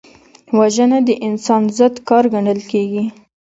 وژنه د انسان ضد کار ګڼل کېږي